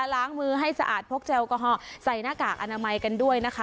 ล้างมือให้สะอาดพกแอลกอฮอล์ใส่หน้ากากอนามัยกันด้วยนะคะ